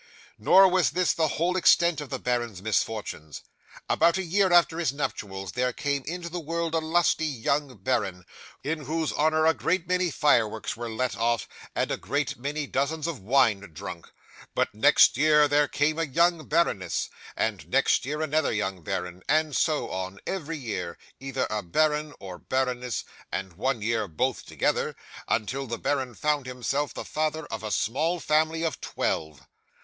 'Nor was this the whole extent of the baron's misfortunes. About a year after his nuptials, there came into the world a lusty young baron, in whose honour a great many fireworks were let off, and a great many dozens of wine drunk; but next year there came a young baroness, and next year another young baron, and so on, every year, either a baron or baroness (and one year both together), until the baron found himself the father of a small family of twelve.